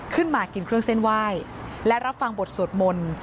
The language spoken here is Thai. ขึ้นมากินเครื่องเส้นไหว้และรับฟังบทสวดมนต์